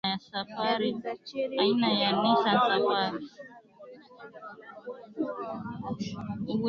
David Zacharia Kafulila anakuwa Mkuu mpya wa mkoa wa Arusha